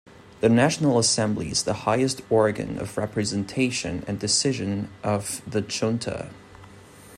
The National Assembly is the highest organ of representation and decision of the Chunta.